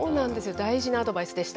大事なアドバイスでした。